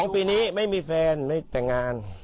ปีนี้ไม่มีแฟนไม่แต่งงาน